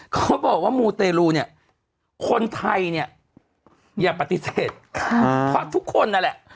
เขาบอกว่ามูเตรลูเนี่ยคนไทยเนี่ยอย่าปฏิเสธเพราะทุกคนนั่นแหละ